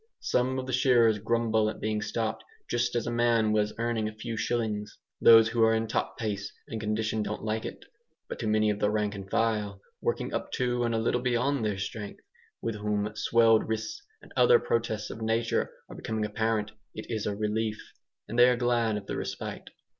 Some of the shearers grumble at being stopped "just as a man was earning a few shillings." Those who are in top pace and condition don't like it. But to many of the rank and file working up to and a little beyond their strength with whom swelled wrists and other protests of nature are becoming apparent, it is a relief, and they are glad of the respite.